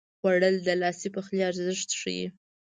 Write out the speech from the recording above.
خوړل د لاسي پخلي ارزښت ښيي